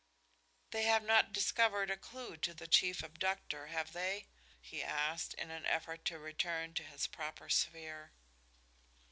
"They have not discovered a clue to the chief abductor, have they?" he asked, in an effort to return to his proper sphere.